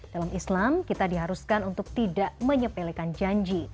dalam islam kita diharuskan untuk tidak menyepelekan janji